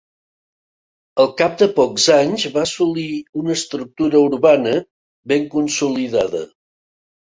Al cap de pocs anys va assolir una estructura urbana ben consolidada.